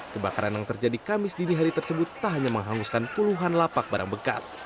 kebakaran yang terjadi kamis dini hari tersebut tak hanya menghanguskan puluhan lapak barang bekas